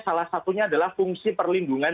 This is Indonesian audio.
salah satunya adalah fungsi perlindungan